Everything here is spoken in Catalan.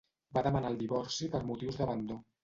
Va demanar el divorci per motius d'abandó.